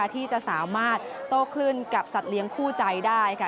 ที่จะสามารถโต้คลื่นกับสัตว์เลี้ยงคู่ใจได้ค่ะ